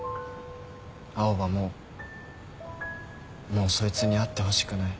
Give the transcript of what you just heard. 青羽ももうそいつに会ってほしくない。